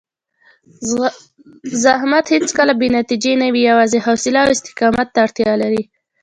زحمت هېڅکله بې نتیجې نه وي، یوازې حوصله او استقامت ته اړتیا لري.